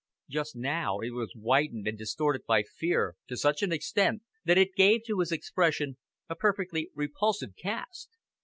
Just now it was whitened and distorted by fear to such an extent that it gave to his expression a perfectly repulsive cast.